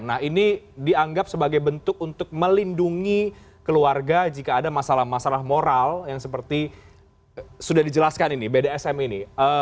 nah ini dianggap sebagai bentuk untuk melindungi keluarga jika ada masalah masalah moral yang seperti sudah dijelaskan ini bdsm ini